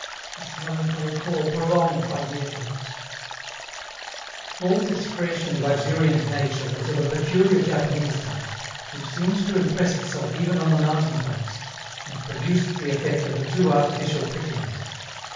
its melancholy call prolonged by the echoes. All this fresh and luxuriant nature was of a peculiar Japanese type, which seemed to impress itself even on the mountain tops, and produced the effect of a too artificial prettiness.